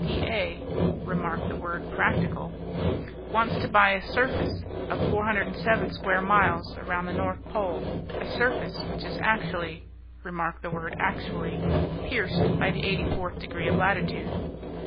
P.P.A. (remark the word 'practical') wants to buy a surface of 407 square miles around the North Pole, a surface which is actually (remark the word 'actually') pierced by the eighty fourth degree of latitude."